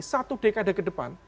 satu dekade ke depan